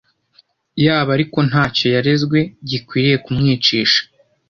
yabo ariko nta cyo yarezwe gikwiriye kumwicisha